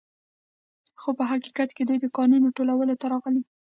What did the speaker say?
خو په حقیقت کې دوی د کانونو لوټولو ته راغلي